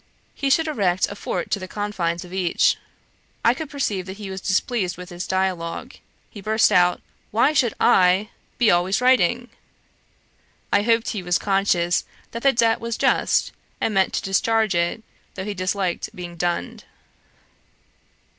He should erect a fort on the confines of each.' I could perceive that he was displeased with this dialogue. He burst out, 'Why should I be always writing?' I hoped he was conscious that the debt was just, and meant to discharge it, though he disliked being dunned.